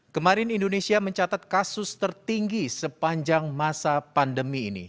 kemarin indonesia mencatat kasus tertinggi sepanjang masa pandemi ini